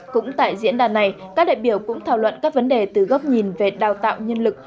cũng tại diễn đàn này các đại biểu cũng thảo luận các vấn đề từ góc nhìn về đào tạo nhân lực